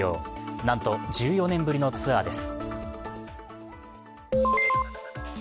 なんと、１４年ぶりのツアーです。